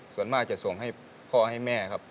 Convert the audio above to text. ส่วนมากจะส่งให้พ่อให้แม่ครับ